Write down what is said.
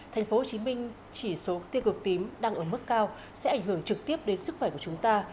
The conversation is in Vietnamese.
tp hcm chỉ số tiêu cực tím đang ở mức cao sẽ ảnh hưởng trực tiếp đến sức khỏe của chúng ta